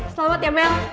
selamat ya mel